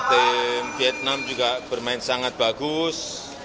tim vietnam juga bermain sangat bagus